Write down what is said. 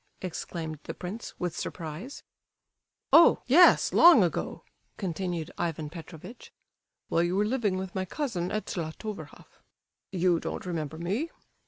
exclaimed the prince, with surprise. "Oh! yes, long ago," continued Ivan Petrovitch, "while you were living with my cousin at Zlatoverhoff. You don't remember me?